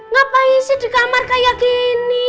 ngapain sih di kamar kayak gini